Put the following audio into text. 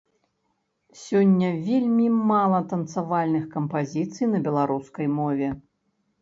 Сёння вельмі мала танцавальных кампазіцый на беларускай мове.